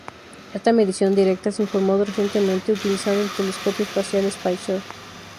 Esta medición directa se informó recientemente utilizando el Telescopio Espacial Spitzer.